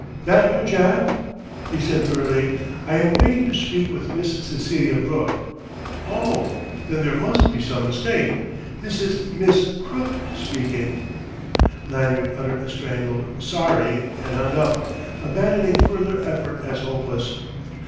That you, Jack?" He said wearily: "I am waiting to speak with Miss Cecelia Brooke." "Oh, then there must be some mistake. This is Miss Crooke speaking." Lanyard uttered a strangled "Sorry!" and hung up, abandoning further effort as hopeless.